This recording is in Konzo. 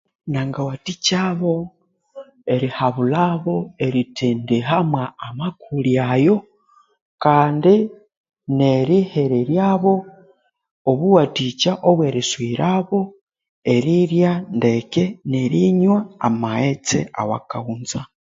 Nangawathikyabo erihabulhabo erithendihamo amakule ayo kandi nerihereryabo obuwathikya obwerisughirabo erilya ndeke nerinywa amghetse awakaghunza